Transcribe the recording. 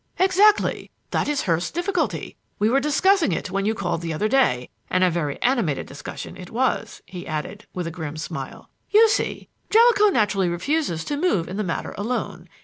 "Exactly, that is Hurst's difficulty. We were discussing it when you called the other day, and a very animated discussion it was," he added, with a grim smile. "You see, Jellicoe naturally refuses to move in the matter alone.